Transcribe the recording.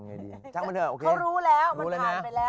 เขารู้แล้วมันผ่านไปแล้ว